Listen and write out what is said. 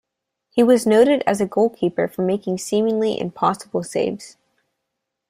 He was noted as a goalkeeper for making seemingly impossible saves.